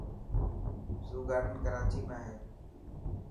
زو گارڊن ڪراچي ۾ هي.